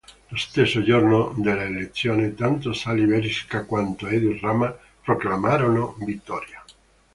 Lo stesso giorno delle elezioni, tanto Sali Berisha quanto Edi Rama proclamarono vittoria.